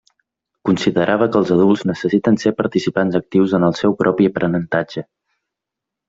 Considerava que els adults necessiten ser participants actius en el seu propi aprenentatge.